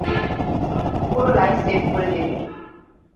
পুরো life set করে দেবো।